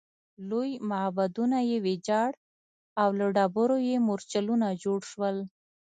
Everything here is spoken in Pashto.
لوی معبدونه یې ویجاړ او له ډبرو یې مورچلونه جوړ شول